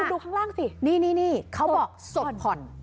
คุณดูข้างล่างสินี่นี่นี่เขาบอกสดผ่อน